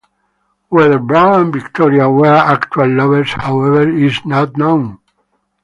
Whether Brown and Victoria were actual lovers, however, is not known.